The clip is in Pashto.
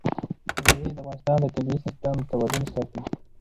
مېوې د افغانستان د طبعي سیسټم توازن ساتي.